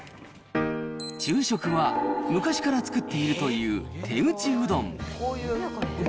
昼食は昔から作っているという手打ちうどん。